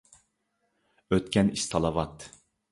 ئۆتكەن ئىش سالاۋات.